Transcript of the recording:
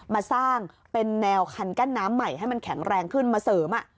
มาสร้างเป็นแนวคันกั้นน้ำใหม่ให้มันแข็งแรงขึ้นมาเสริม